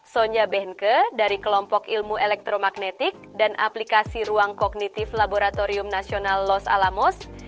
sonya benke dari kelompok ilmu elektromagnetik dan aplikasi ruang kognitif laboratorium nasional los alamos